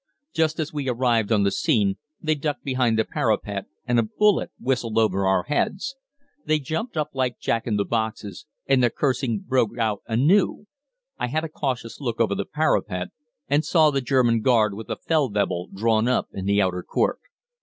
Just as we arrived on the scene, they ducked behind the parapet and a bullet whistled over our heads. They jumped up like Jack in the boxes, and the cursing broke out anew. I had a cautious look over the parapet, and saw the German guard with the Feldwebel drawn up in the outer court.